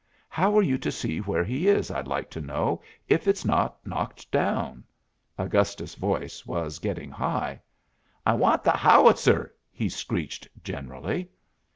How are you to see where he is, I'd like to know, if it's not knocked down?" Augustus's voice was getting high. "I want the howitzer," he screeched generally.